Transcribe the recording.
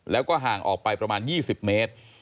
แล้วก็ห่างออกไปประมาณ๒๐เมตร